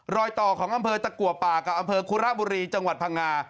รอยต่อของอำเภอตะกัวป่ากับอำเภอคุระบุรีจังหวัดพังงา